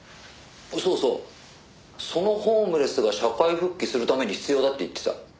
「そうそうそのホームレスが社会復帰するために必要だって言ってた」